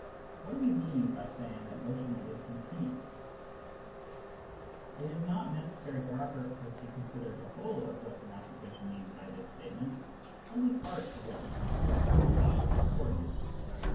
What do we mean by saying that the motion is continuous ? It is not necessary for our purposes to consider the whole of what the mathematician means by this statement : only part of what he means is philosophically important.